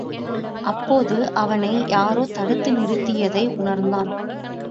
அப்போதும் அவனை யாரோ தடுத்து நிறுத்தியதை உணர்ந்தான்.